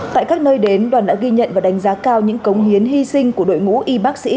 tại các nơi đến đoàn đã ghi nhận và đánh giá cao những cống hiến hy sinh của đội ngũ y bác sĩ